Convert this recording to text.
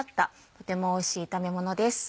とてもおいしい炒めものです。